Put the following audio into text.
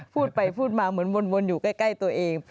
พูดไปพูดมาเหมือนวนอยู่ใกล้ตัวเอง